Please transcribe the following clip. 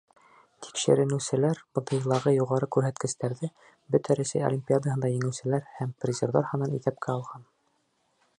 Тикшеренеүселәр БДИ-лағы юғары күрһәткестәрҙе, Бөтә Рәсәй олимпиадаһында еңеүселәр һәм призерҙар һанын иҫәпкә алған.